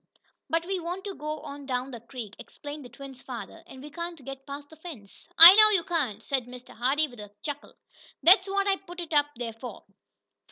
"But we want to go on down the creek," explained the twins' father, "and we can't get past the fence." "I know you can't!" said Mr. Hardee with a chuckle. "That's what I put it up there for.